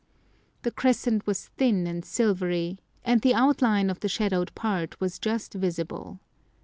The crescent was thin and silvery, and the outline of the shadowed part was just visible.